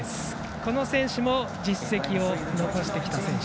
この選手も実績を残してきた選手。